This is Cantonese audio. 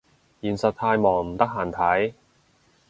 現實太忙唔得閒睇